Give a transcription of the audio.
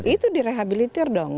itu direhabiliter dong